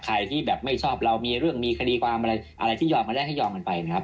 ใครที่แบบไม่ชอบเรามีเรื่องมีคดีความอะไรอะไรที่ยอมก็ได้ให้ยอมกันไปนะครับ